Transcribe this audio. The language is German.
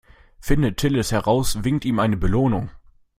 Findet Till es heraus, winkt ihm eine Belohnung.